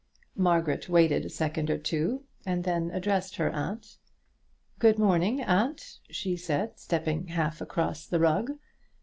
Margaret waited a second or two, and then addressed her aunt. "Good morning, aunt," she said, stepping half across the rug.